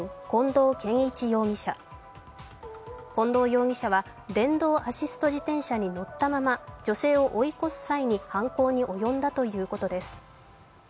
近藤容疑者は電動アシスト自転車に乗ったまま女性を追い越す際に犯行に及んだということです。